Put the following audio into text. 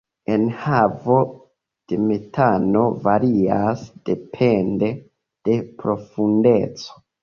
Enhavo de metano varias depende de profundeco.